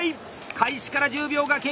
開始から１０秒が経過。